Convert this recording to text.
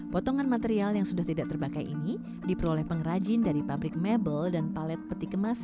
potongan material yang sudah tidak terbakai ini diperoleh pengrajin dari pabrik mebel dan palet peti kemas